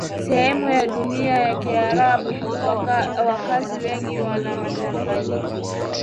sehemu ya dunia ya Kiarabu Wakazi wengi wana mchanganyiko